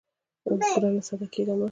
اوو ګرانه ساده کېږه مه.